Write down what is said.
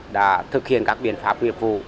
đã thực hiện các biện pháp nghiệp vụ